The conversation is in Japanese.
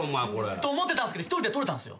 と思ってたんですけど１人でとれたんすよ。